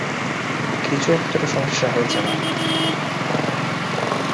কিছু একটা তো সমস্যা হয়েছে, মা।